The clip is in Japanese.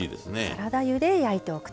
サラダ油で焼いておくと。